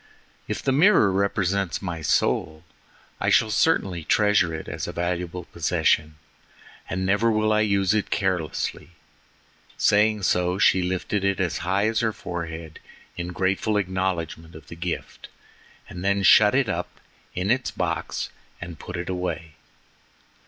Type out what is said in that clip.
"If the mirror represents my soul, I shall certainly treasure it as a valuable possession, and never will I use it carelessly." Saying so, she lifted it as high as her forehead, in grateful acknowledgment of the gift, and then shut it up in its box and put it away.